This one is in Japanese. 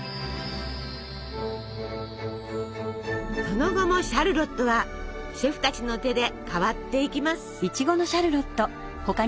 その後もシャルロットはシェフたちの手で変わっていきます。